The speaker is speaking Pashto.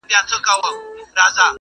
زاهده پرې مي ږده ځواني ده چي دنیا ووینم-